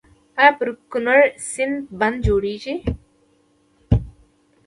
آیا پر کنړ سیند بند جوړیږي؟